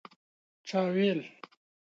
چا ویل